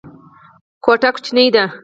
کوټه کوچنۍ ده.